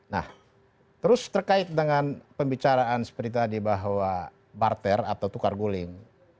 nah terus terkait dengan pembicaraan seperti tadi bahwa barter atau tukar guling